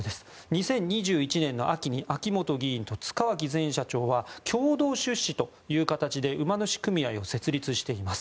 ２０２１年秋に秋本議員と塚脇前社長は共同出資という形で馬主組合を設立しています。